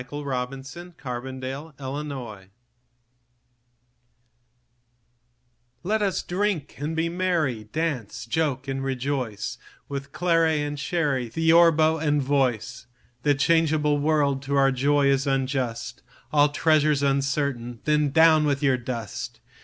Let Us Drink and Be Merry LET us drink and be merry, dance, joke, and rejoice, With claret and sherry, theorbo and voice! The changeable world to our joy is unjust, All treasure's uncertain, Then down with your dust!